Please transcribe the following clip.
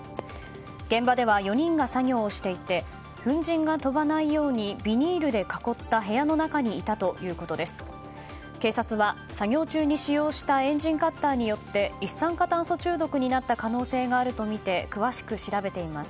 現場では４人が作業をしていて粉じんが飛ばないようにビニールで囲った部屋の中にいたということです。